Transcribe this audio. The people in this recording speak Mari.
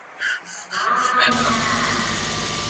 Ва-ня-я!..